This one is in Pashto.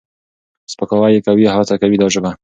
سپکاوی یې کوي او هڅه کوي دا ژبه